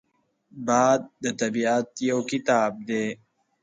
باد د طبیعت یو کتاب دی